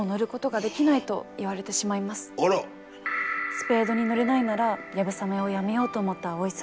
スペードに乗れないなら流鏑馬をやめようと思った蒼依さん。